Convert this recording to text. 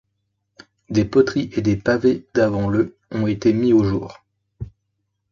Des poteries et des pavés d'avant le ont été mis au jour.